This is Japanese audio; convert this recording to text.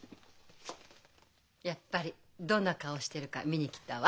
やっぱりどんな顔してるか見に来たわ。